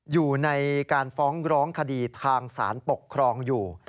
อยู่ในการฟ้องร้องคดีทางสารปกครองอยู่